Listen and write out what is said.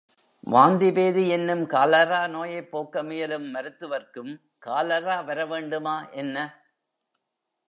வாந்தி பேதி என்னும் காலரா நோயைப் போக்க முயலும் மருத்துவர்க்கும் காலரா வரவேண்டுமா என்ன?